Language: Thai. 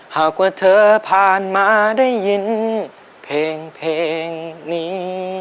หากว่าเธอผ่านมาได้ยินเพลงนี้